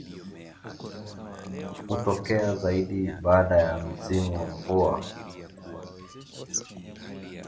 Hutokea zaidi baada ya msimu wa mvua